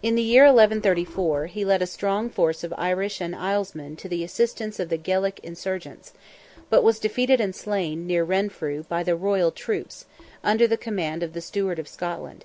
In the year 1134, he led a strong force of Irish and Islesmen to the assistance of the Gaelic insurgents, but was defeated and slain, near Renfrew, by the royal troops, under the command of the Steward of Scotland.